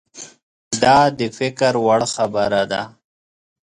دا د فکر وړ خبره ده.